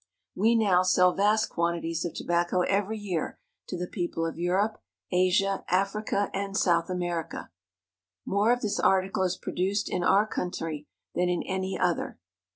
We now sell vast quantities of tobacco every year to the people of Europe, Asia, Africa, and South America. More of this article is produced in our country than in any other.